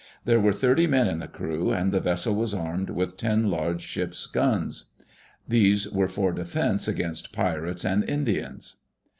There were thirty men in the crew, and the vessel was armed with ten large ships' guns. These were for defense against pirates and Indians.